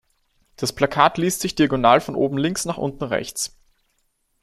Das Plakat liest sich diagonal von oben links nach unten rechts.